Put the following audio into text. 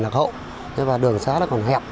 đặc hậu đường xá còn hẹp